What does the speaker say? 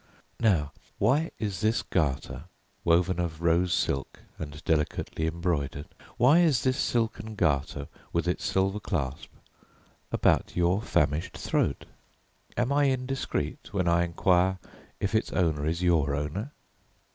Now, why is this garter woven of rose silk and delicately embroidered, why is this silken garter with its silver clasp about your famished throat? Am I indiscreet when I inquire if its owner is your owner?